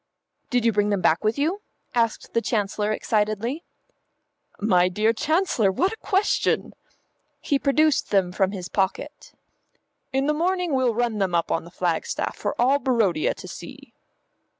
"Did you bring them back with you?" asked the Chancellor excitedly. "My dear Chancellor, what a question!" He produced them from his pocket. "In the morning we'll run them up on the flagstaff for all Barodia to see."